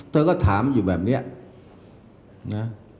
เธอก็ถามอยู่แบบนี้นะ